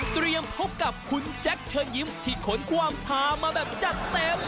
พบกับคุณแจ็คเชิญยิ้มที่ขนความพามาแบบจัดเต็ม